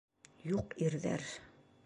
Юҡ ирҙәр.